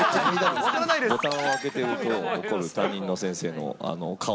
ボタンを開けてると、怒る担任の先生の顔